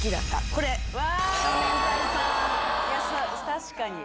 確かに。